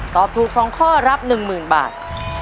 ตอบถูก๒ข้อรับ๑๐๐๐บาท